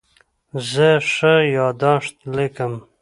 زه ښه یادښت لیکم.